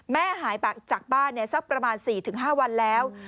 แม่หายจากบ้านสักประมาณ๔๕วันแล้ว